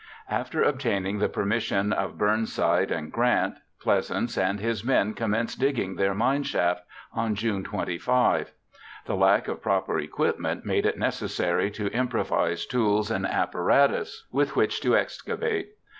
After obtaining the permission of Burnside and Grant, Pleasants and his men commenced digging their mine shaft on June 25. The lack of proper equipment made it necessary to improvise tools and apparatus with which to excavate.